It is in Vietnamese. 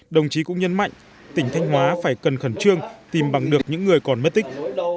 đồng chí cũng nhấn mạnh tỉnh thanh hóa phải cần khẩn trương tìm bằng được những người còn mất tích